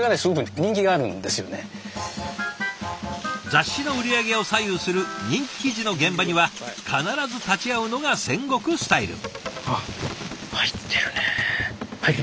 雑誌の売り上げを左右する人気記事の現場には必ず立ち会うのが仙石スタイル。